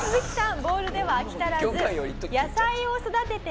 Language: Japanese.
ボールでは飽き足らず野菜を育てては。